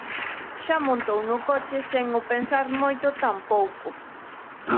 Xan montou no coche sen o pensar moito tampouco.